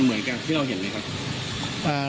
เหมือนกับที่เราเห็นไหมครับ